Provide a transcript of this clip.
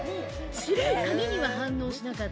白い紙には反応しなかった。